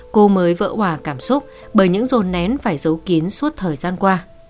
cô mới vỡ hòa cảm xúc bởi những rồn nén phải giấu kín suốt thời gian qua